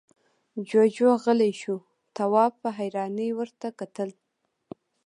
جُوجُو غلی شو، تواب په حيرانۍ ورته کتل…